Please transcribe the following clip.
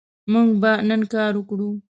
موږ به نن کار وکړو